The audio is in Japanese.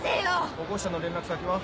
保護者の連絡先は？